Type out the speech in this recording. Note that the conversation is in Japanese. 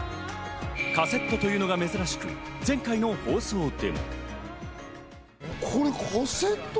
カセットというのが珍しく前回の放送で。